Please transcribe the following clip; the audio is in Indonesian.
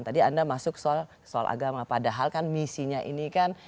tadi anda masuk soal agama padahal kan misinya ini kan